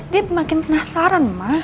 dia makin penasaran ma